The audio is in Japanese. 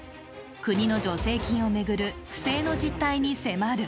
国の助成金を巡る不正の実態に迫る。